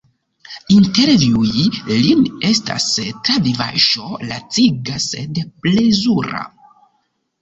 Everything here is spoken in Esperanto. Intervjui lin estas travivaĵo laciga sed plezura!